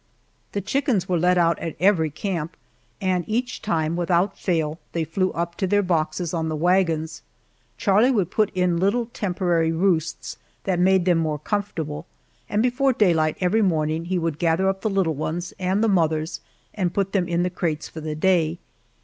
The chickens were let out at every camp, and each time, without fail, they flew up to their boxes on the wagons. Charlie would put in little temporary roosts, that made them more comfortable, and before daylight every morning he would gather up the little ones and the mothers and put them in the crates for the day.